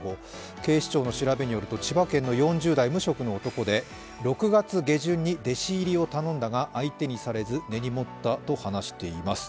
警視庁の調べによると千葉県の４０代無職の男で、６月下旬に弟子入りを頼んだが相手にされず根に持ったと話しています。